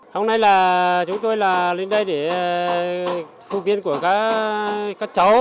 hôm nay là chúng tôi là lên đây để phục viên của các cháu